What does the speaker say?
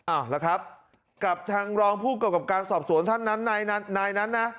เอาละครับกับทางรองผู้กำกับการสอบสวนท่านนั้นนายนั้นนะ